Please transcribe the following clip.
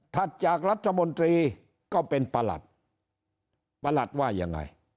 จากรัฐมนตรีก็เป็นประหลัดประหลัดว่ายังไง